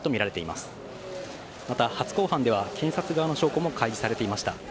また、初公判では検察側の証拠も開示されていました。